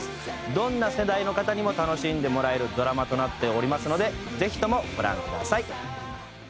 どんな世代の方にも楽しんでもらえるドラマとなっておりますのでぜひともご覧ください。